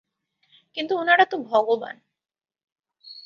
কিন্তু উনারা তো ভগবান।